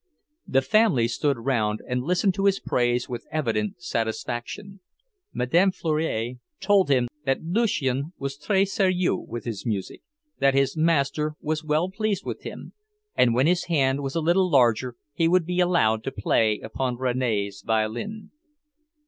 The family stood round and listened to his praise with evident satisfaction. Madame Fleury told him that Lucien was très sérieux with his music, that his master was well pleased with him, and when his hand was a little larger he would be allowed to play upon Rene's violin.